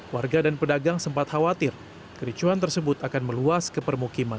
warga dan pedagang sempat khawatir kericuhan tersebut akan meluas ke permukiman